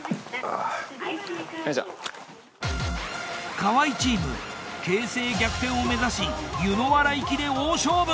河合チーム形勢逆転を目指し柚原行きで大勝負！